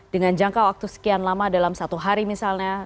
dengan jangka waktu sekian lama dalam satu hari misalnya